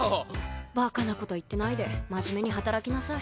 バカな事言ってないで真面目に働きなさい。